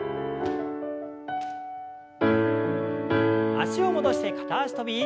脚を戻して片脚跳び。